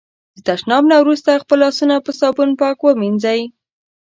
د تشناب نه وروسته خپل لاسونه په صابون پاک ومېنځی.